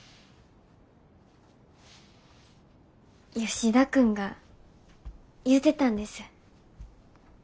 吉田君が言うてたんです。